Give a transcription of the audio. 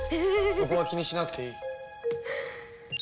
そこは気にしなくていい。